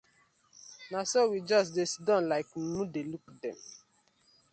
Na so we just dey siddon like mumu dey look dem.